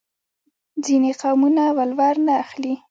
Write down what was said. ځینې قومونه ولور نه اخلي.